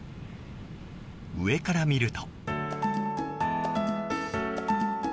上から見ると。